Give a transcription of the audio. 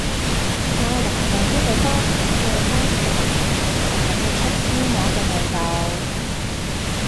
愛華頓呢隊波蔗渣嘅價錢,但係踢出燒鵝嘅味道